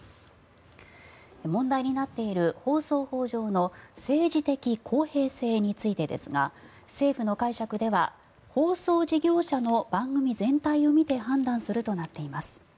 問題になっている放送法上の政治的公平性についてですが政府の解釈では放送事業者の番組全体を見て判断するとなっています。